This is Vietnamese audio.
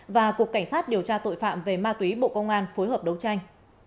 và cục cảnh sát điều tra tội phạm về ma túy bộ công an phối hợp đấu tranh